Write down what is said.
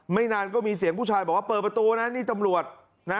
นานก็มีเสียงผู้ชายบอกว่าเปิดประตูนะนี่ตำรวจนะ